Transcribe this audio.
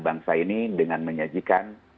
bangsa ini dengan menyajikan